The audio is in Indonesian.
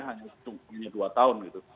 hanya dua tahun gitu